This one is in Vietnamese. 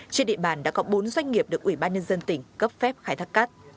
trên địa bàn đã có bốn doanh nghiệp được ủy ban nhân dân tỉnh cấp phép khai thác cát